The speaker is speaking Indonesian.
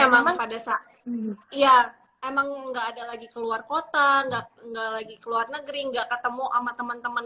cuman emang pada saat ya emang nggak ada lagi ke luar kota nggak lagi keluar negeri enggak ketemu sama teman teman